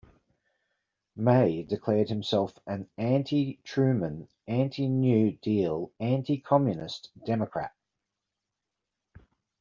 May declared himself an anti-Truman, anti-New Deal, anti-communist Democrat.